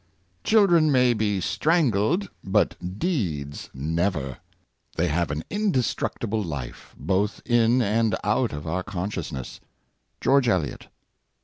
"Children may be strangled, but Deeds never; they have an indestructible life, both in and out of our consciousness.'' — George Eliot.